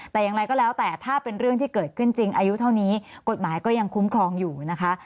แต่อย่างไรก็แล้วแต่ถ้าเป็นเรื่องที่เกิดขึ้นจริงอายุเท่านี้กฎหมายก็ยังคุ้มครองอยู่นะคะ